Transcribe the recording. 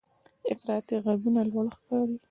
افراطي غږونه لوړ ښکاري.